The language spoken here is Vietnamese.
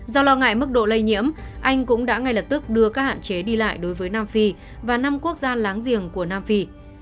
do lo ngại mức độ lây nhiễm anh cũng đã ngay lập tức đưa các hạn chế đi lại đối với nam phi và năm quốc gia láng giềng của nam phi